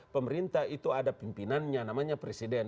pemerintah itu ada pimpinannya namanya presiden